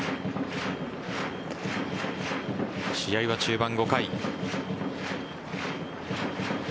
試合は中盤５回。